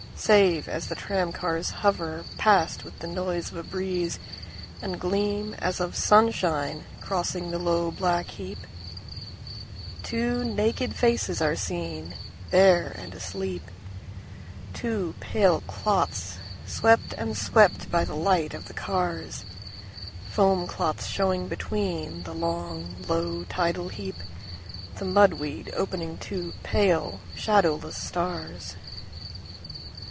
Save, as the tram cars hoverPast with the noise of a breezeAnd gleam as of sunshine crossing the low black heap, Two naked faces are seenBare and asleep, Two pale clots swept and swept by the light of the cars. Foam clots showing betweenThe long, low tidal heap, The mud weed opening two pale, shadowless stars.